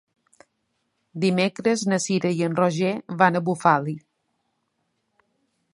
Dimecres na Cira i en Roger van a Bufali.